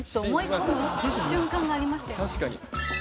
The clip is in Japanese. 確かに。